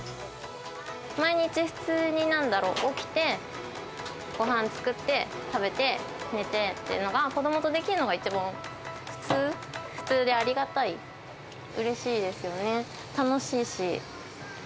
毎日普通になんだろう、起きて、ごはん作って、食べて、寝てっていうのが、子どもとできるのが一番普通、普通でありがたい、うれしいですよね、楽しいし。